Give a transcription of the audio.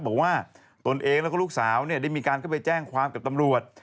ตนเองแล้วก็ลูกสาวได้มีการเข้าไปแจ้งความกับตำรวจ